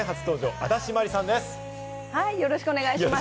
安藤です、よろしくお願いします。